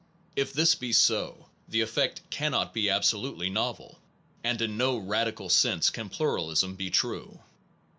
If this be so, the effect cannot be absolutely novel, and in no radical sense can pluralism be true.